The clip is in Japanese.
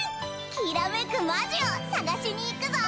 きらめくマジを探しにいくぞ！